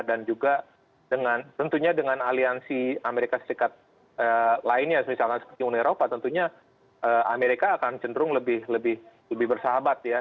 dan juga dengan tentunya dengan aliansi amerika serikat ee lainnya misalnya seperti uni eropa tentunya ee amerika akan cenderung lebih lebih lebih bersahabat ya